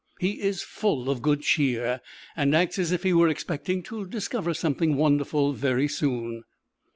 He is full of good cheer, and acts as if he were expecting to discover something wonderful very soon.